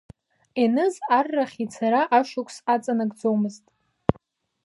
Еныз аррахь ицара ишықәс аҵанакӡомызт.